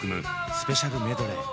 スペシャルメドレー